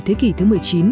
thế kỷ thứ một mươi chín